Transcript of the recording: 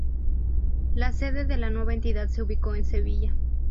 La sede de la nueva entidad se ubicó en Sevilla.